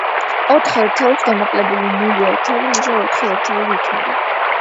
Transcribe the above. ოთხ ერთეულს გამოკლებული ნული ერთეული ისევ ოთხი ერთეული იქნება.